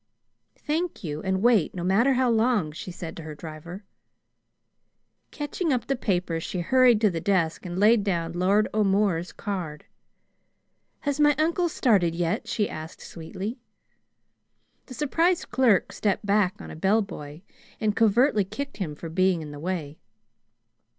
"Thank you; and wait, no matter how long," she said to her driver. Catching up the paper, she hurried to the desk and laid down Lord O'More's card. "Has my uncle started yet?" she asked sweetly. The surprised clerk stepped back on a bellboy, and covertly kicked him for being in the way.